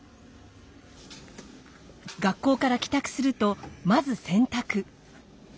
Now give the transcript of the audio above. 学校から帰宅するとまず洗濯。